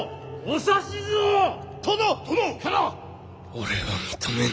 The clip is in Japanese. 俺は認めぬ。